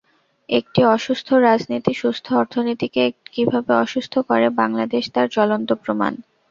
একটি অসুস্থ রাজনীতি সুস্থ অর্থনীতিকে কীভাবে অসুস্থ করে, বাংলাদেশ তার জ্বলন্ত প্রমাণ।